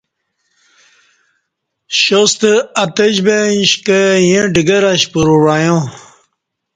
شاستہ اتجبں ایݩشکہ ییں ڈگر اشپرو وعیا ں